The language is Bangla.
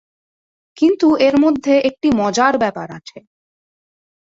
কিন্তু এর মধ্যে একটি মজার ব্যাপার আছে।